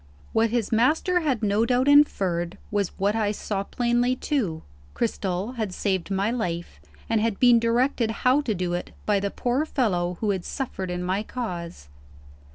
What his master had no doubt inferred, was what I saw plainly too. Cristel had saved my life, and had been directed how to do it by the poor fellow who had suffered in my cause.